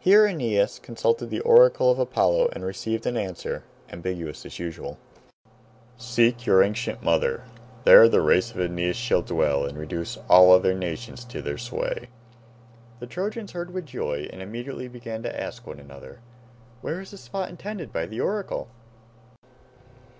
Here Aeneas consulted the oracle of Apollo, and received an answer, ambiguous as usual, "Seek your ancient mother; there the race of Aeneas shall dwell, and reduce all other nations to their sway." The Trojans heard with joy and immediately began to ask one another, "Where is the spot intended by the oracle?"